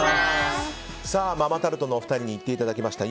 ママタルトのお二人に行っていただきました。